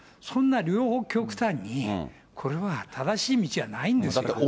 そんな両方極端にこれは正しい道はないんですよ。